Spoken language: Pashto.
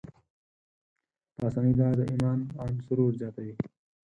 پاسنۍ دعا د ايمان عنصر ورزياتوي.